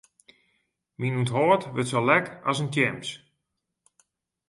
Myn ûnthâld wurdt sa lek as in tjems.